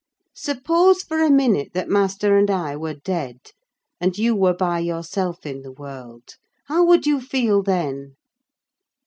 Suppose, for a minute, that master and I were dead, and you were by yourself in the world: how would you feel, then?